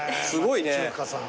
町中華さん。